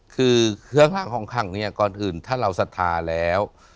คือเครื่องร่างของขังเนี่ยก่อนอื่นถ้าเราศรัทธาแล้ว